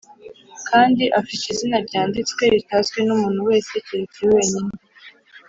kandi afite izina ryanditswe ritazwi n’umuntu wese keretse we wenyine.